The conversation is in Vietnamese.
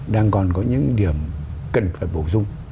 đang còn có những điểm cần phải bổ sung